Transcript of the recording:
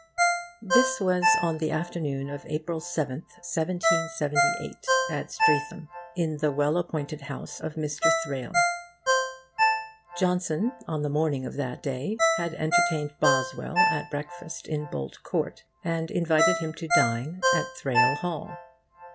This was on the afternoon of April 7th, 1778, at Streatham, in the well appointed house of Mr. Thrale. Johnson, on the morning of that day, had entertained Boswell at breakfast in Bolt Court, and invited him to dine at Thrale Hall.